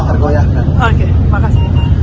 oke terima kasih